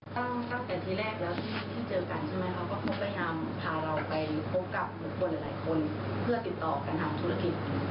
ตั้งแต่ที่แรกแล้วที่เจอกันใช่ไหมเขาก็พยายามพาเราไปพบกับบุคคลหลายคนเพื่อติดต่อการทำธุรกิจ